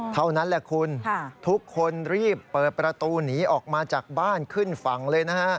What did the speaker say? เท่านั้นแหละคุณทุกคนรีบเปิดประตูหนีออกมาจากบ้านขึ้นฝั่งเลยนะฮะ